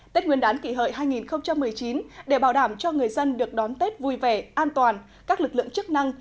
tết nguyên đán kỷ hợi hai nghìn một mươi chín để bảo đảm cho người dân được đón tết vui vẻ an toàn các lực lượng chức năng